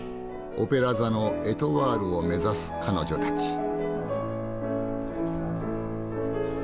オペラ座のエトワールを目指す彼女たち。